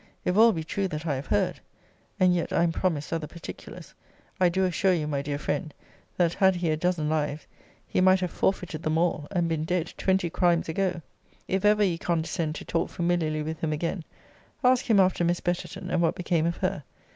if all be true that I have heard! And yet I am promised other particulars. I do assure you, my dear friend, that, had he a dozen lives, he might have forfeited them all, and been dead twenty crimes ago. If ever you condescend to talk familiarly with him again, ask him after Miss Betterton, and what became of her.